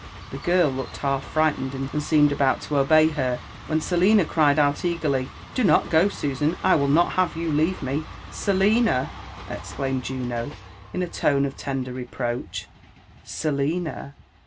" The girl looked half frightened, and seemed about to obey her, when Selina cried out eagerly, " Do not go, Susan — I will not have you leave me." '* Selina !" exclaimed Juno in a tone of tender reproach ; Selina